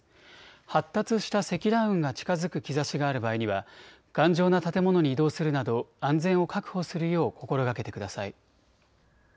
発達した積乱雲が近づく兆しがある場合には頑丈な建物に移動するなど安全を確保するよう心がけてください。